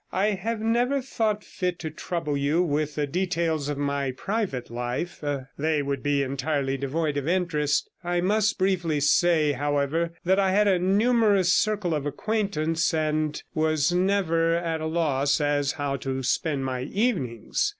I have never thought fit to trouble you with the details of my private life; they would be entirely devoid of interest. I must briefly say, however, that I had a numerous circle of acquaintance, and was never at a 95 loss as to how to spend my evenings.